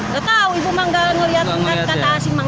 gak tau ibu mah gak ngeliat kata asin